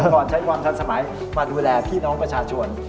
ก่อนใช้ความทันสมัยมาดูแลพี่น้องประชาชน